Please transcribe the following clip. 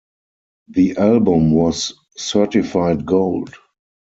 The album was certified gold.